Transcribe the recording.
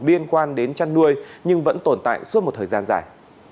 liên quan đến chăn nuôi nhưng vẫn tồn tại suốt một thời gian dài